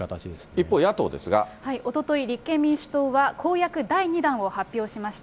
一方、おととい、立憲民主党は公約第２弾を発表しました。